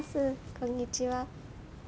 こんにちは。